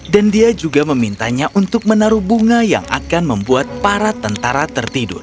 dan dia juga memintanya untuk menaruh bunga yang akan membuat para tentara tertidur